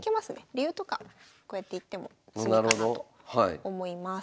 竜とかこうやって行っても詰みかなと思います。